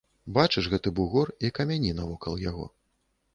Бачыш гэты бугор і камяні навокал яго?